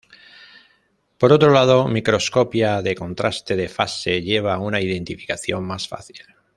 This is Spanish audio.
Por otro lado, microscopía de contraste de fase lleva a una identificación más fácil.